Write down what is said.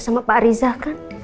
sama pak rizah kan